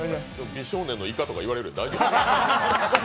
美少年のイカとか言われるよ、大丈夫？